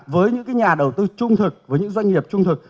với những nhà đầu tư trung thực với những doanh nghiệp trung thực